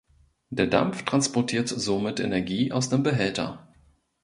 Der Dampf transportiert somit Energie aus dem Behälter.